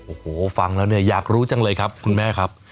โอ้โหฟังแล้วเนี่ยอยากรู้จังเลยครับคุณแม่ครับ